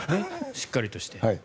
しっかりして。